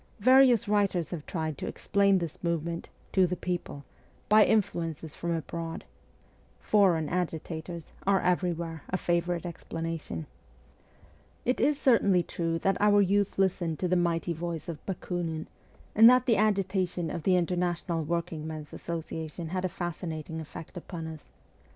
Various writers have tried to explain this movement ' to the people ' by influences from abroad ' foreign agitators ' are everywhere a VOL. II. H 98 MEMOIES OF A REVOLUTIONIST favourite explanation. It is certainly true that our youth listened to the mighty voice of Bakunin, and that the agitation of the International Workingmen's Association had a fascinating effect upon us.